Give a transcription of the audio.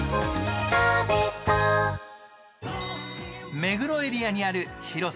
目黒エリアにある広さ